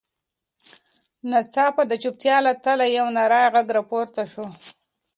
ناڅاپه د چوپتیا له تله یو نرۍ غږ راپورته شو.